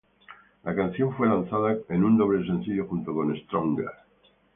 La canción fue lanzada en un doble sencillo junto con "Stronger".